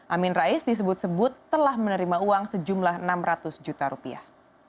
amin rais disebut sebut telah menerima uang sejumlah enam ratus juta rupiah